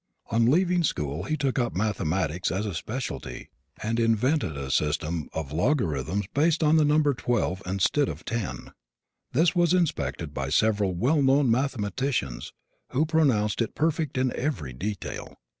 On leaving school he took up mathematics as a specialty and invented a system of logarithms based on the number 12 instead of 10. This was inspected by several well known mathematicians who pronounced it perfect in every detail.